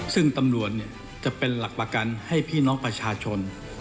ซึ่งตำรวจจะเป็นหลักประกันให้พี่น้องประชาชน